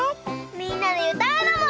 みんなでうたうのも。